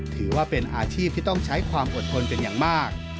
ถือว่าเป็นอาชีพที่ต้องใช้ความอดทนเป็นอย่างมาก